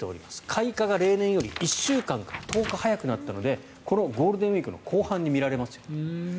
開花が例年より１週間から１０日早くなったのでこのゴールデンウィークの後半に見られますよと。